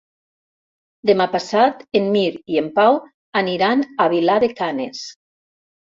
Demà passat en Mirt i en Pau aniran a Vilar de Canes.